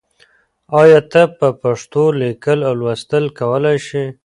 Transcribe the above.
آیا ته په پښتو لیکل او لوستل کولای شې؟